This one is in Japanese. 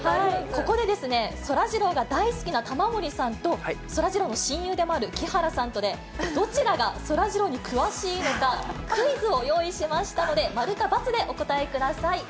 ここでそらジローが大好きな玉森さんと、そらジローの親友でもある木原さんとで、どちらがそらジローに詳しいのか、クイズを用意しましたので、〇か×でお答えください。